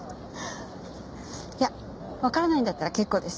いやわからないんだったら結構です。